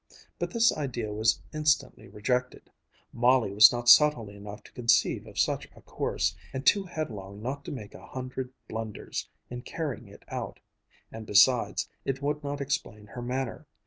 But this idea was instantly rejected: Molly was not subtle enough to conceive of such a course, and too headlong not to make a hundred blunders in carrying it out; and besides, it would not explain her manner.